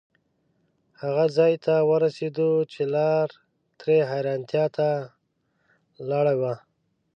هغه ځای ته ورسېدو چې لار ترې حیرتانو ته لاړه وه.